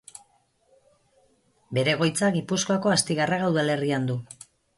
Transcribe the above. Bere egoitza Gipuzkoako Astigarraga udalerrian du.